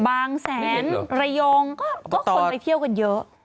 บางแสนระยองก็คนไปเที่ยวกันเยอะ